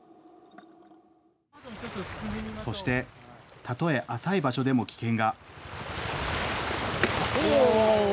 そしてたとえ浅い場所でも危険が。